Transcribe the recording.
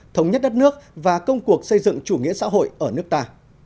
thống nhất đất nước và công cuộc xây dựng chủ nghĩa xã hội ở nước ta